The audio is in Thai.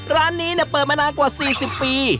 ร้านนี้เปิดมานานกว่า๔๐ปี